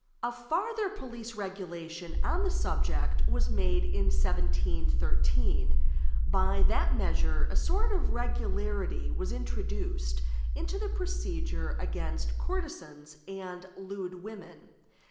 A farther police regulation on the subject was made in 1713. By that measure a sort of regularity was introduced into the procedure against courtesans and lewd women.